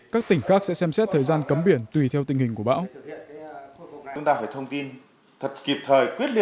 các tỉnh khác sẽ xem xét thời gian cấm biển tùy theo